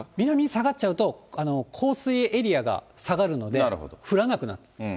南に下がっちゃうと降水エリアが下がるので、降らなくなる。